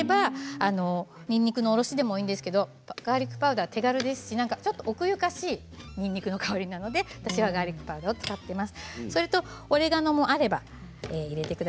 なければにんにくのおろしでもいいんですけどガーリックパウダーは手軽で奥ゆかしいにんにくの香りなので私がガーリックパウダーを使っています。